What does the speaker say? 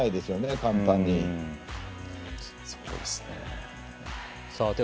簡単には。